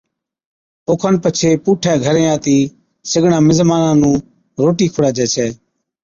اوکن پڇي پُوٺَي گھرين آتِي سِگڙان مزمانا نُون روٽِي کُڙاجَي ڇَي